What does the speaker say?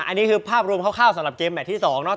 อันนี้คือภาพรวมคร่าวสำหรับเจมสที่๒เนาะ